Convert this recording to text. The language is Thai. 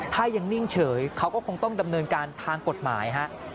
ถ้ายังนิ่งเฉยเขาก็คงต้องดำเนินการทางกฎหมายฮะ